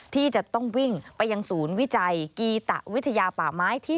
ที่จะต้องวิ่งไปยังศูนย์วิจัยกีตะวิทยาป่าไม้ที่๒